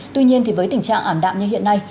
tuy nhiên thì với tình trạng ảm đạm như hiện nay